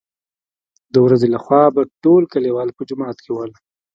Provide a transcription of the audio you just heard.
دورځې له خوا به ټول کليوال په جومات کې ول.